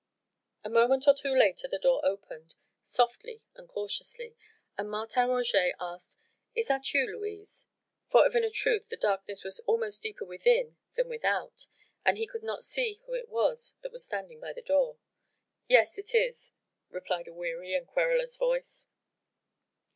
A moment or two later the door was opened, softly and cautiously, and Martin Roget asked: "Is that you, Louise?" for of a truth the darkness was almost deeper within than without, and he could not see who it was that was standing by the door. "Yes! it is," replied a weary and querulous voice.